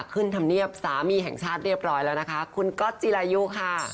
ธรรมเนียบสามีแห่งชาติเรียบร้อยแล้วนะคะคุณก๊อตจิรายุค่ะ